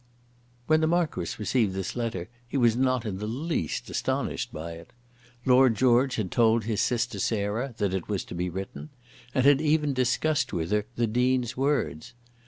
When the Marquis received this letter he was not in the least astonished by it. Lord George had told his sister Sarah that it was to be written, and had even discussed with her the Dean's words.